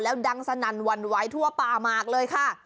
แล้วดังสนั่นวันไหวทั่วป่ามากเลยค่ะ